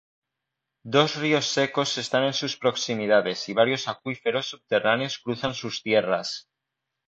Dos ríos secos están en sus proximidades y varios acuíferos subterráneos cruzan sus tierras.